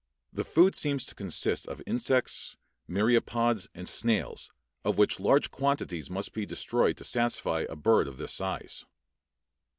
The food seems to consist of insects, myriapods, and snails, of which large quantities must be destroyed to satisfy a bird of this size.